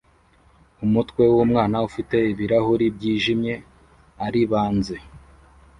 Umutwe wumwana ufite ibirahuri byijimye aribanze